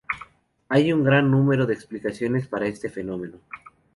Hay un gran número de explicaciones para este fenómeno.